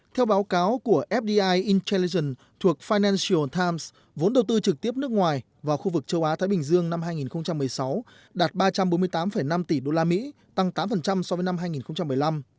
theo báo cáo của fdi intelligent thuộc finantional times vốn đầu tư trực tiếp nước ngoài vào khu vực châu á thái bình dương năm hai nghìn một mươi sáu đạt ba trăm bốn mươi tám năm tỷ usd tăng tám so với năm hai nghìn một mươi năm